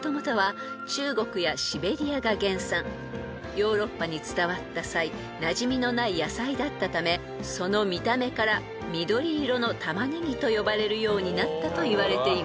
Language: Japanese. ［ヨーロッパに伝わった際なじみのない野菜だったためその見た目から「緑色のタマネギ」と呼ばれるようになったといわれています］